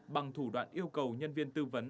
bằng thủ đoạn yêu cầu nhân viên tư vấn